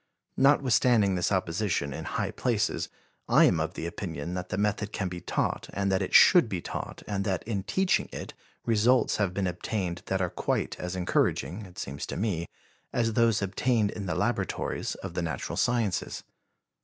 Notwithstanding this opposition in high places, I am of the opinion that the method can be taught and that it should be taught and that in teaching it results have been obtained that are quite as encouraging, it seems to me, as those obtained in the laboratories of the natural sciences.